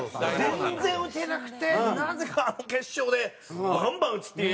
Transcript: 全然打てなくてなぜかあの決勝でバンバン打つっていう